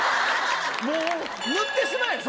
もう塗ってしまえ！